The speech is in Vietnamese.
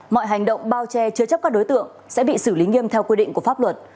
mọi hành động bao che chứa chấp các đối tượng sẽ bị xử lý nghiêm theo quy định của pháp luật